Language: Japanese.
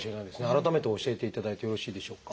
改めて教えていただいてよろしいでしょうか？